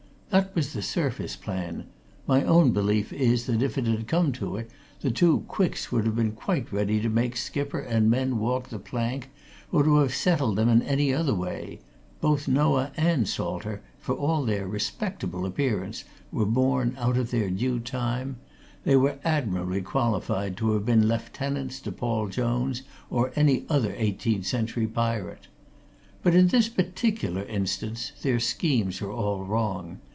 That was the surface plan my own belief is that if it had come to it, the two Quicks would have been quite ready to make skipper and men walk the plank, or to have settled them in any other way both Noah and Salter, for all their respectable appearance, were born out of their due time they were admirably qualified to have been lieutenants to Paul Jones or any other eighteenth century pirate! But in this particular instance, their schemes went all wrong.